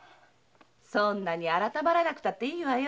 そんなに改まらなくていいわよ。